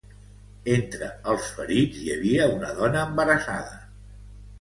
Entre els ferits i havia una dona embarassada.